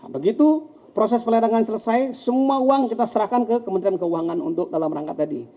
begitu proses peledangan selesai semua uang kita serahkan ke kementerian keuangan untuk dalam rangka tadi